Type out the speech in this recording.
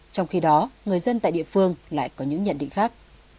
trong khi đó người dân tại địa phương lại có những nhận định khác